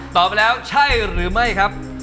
ไปแล้วใช่หรือไม่ครับ